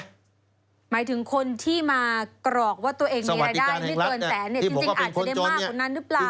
หมายถึงคนที่มากรอกว่าตัวเองมีรายได้ไม่เกินแสนจริงอาจจะได้มากกว่านั้นหรือเปล่า